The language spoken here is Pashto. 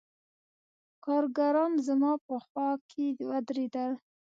کارګران زما په خوا کښې ودرېدل.